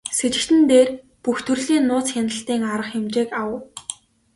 Сэжигтэн дээр бүх төрлийн нууц хяналтын арга хэмжээг авав.